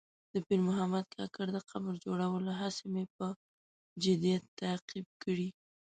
د پیر محمد کاکړ د قبر جوړولو هڅې مې په جدیت تعقیب کړې.